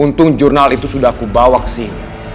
untung jurnal itu sudah aku bawa ke sini